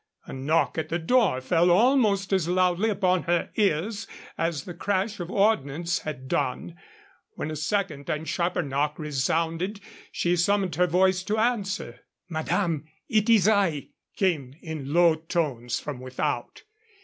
A knock at the door fell almost as loudly upon her ears as the crash of ordnance had done. When a second and sharper knock resounded, she summoned her voice to answer. "Madame, it is I," came in low tones from without.